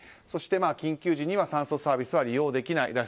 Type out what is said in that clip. そして、緊急時には酸素サービスは利用できない。